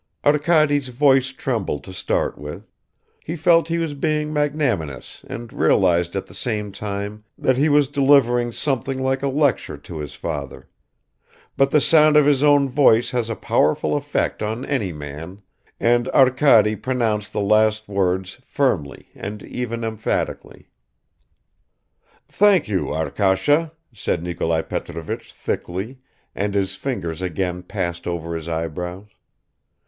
Arkady's voice trembled to start with; he felt he was being magnanimous and realized at the same time that he was delivering something like a lecture to his father; but the sound of his own voice has a powerful effect on any man, and Arkady pronounced the last words firmly and even emphatically. "Thank you, Arkasha," said Nikolai Petrovich thickly, and his fingers again passed over his eyebrows.